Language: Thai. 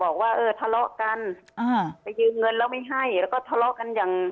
บอกว่าเออทะเลาะกันอ่าไปยืมเงินแล้วไม่ให้แล้วก็ทะเลาะกันอย่าง